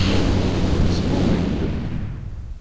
Nezmumeg-d.